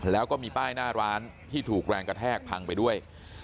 แล้วก็มีป้ายหน้าร้านที่ถูกแรงกระแทกพังไปด้วย